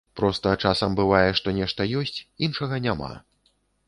Проста, часам бывае, што нешта ёсць, іншага няма.